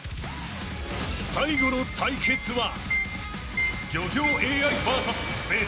［最後の対決は］